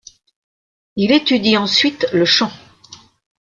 Il étudie ensuite le chant.